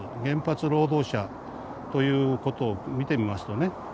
原発労働者ということを見てみますとね